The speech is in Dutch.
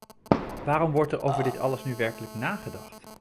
Waar wordt er over dit alles nu werkelijk nagedacht?